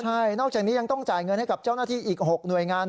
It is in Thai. ใช่นอกจากนี้ยังต้องจ่ายเงินให้กับเจ้าหน้าที่อีก๖หน่วยงาน